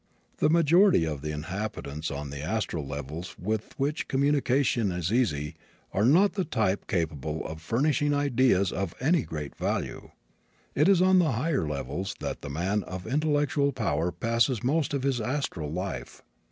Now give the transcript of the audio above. The majority of the inhabitants of the astral levels with which communication is easy are not the type capable of furnishing ideas of any great value. It is on the higher levels that the man of intellectual power passes most of his astral life.